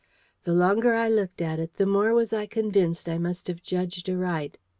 The longer I looked at it, the more was I convinced I must have judged aright.